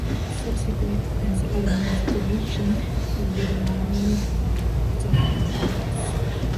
Subsequent administrations have rebranded the office.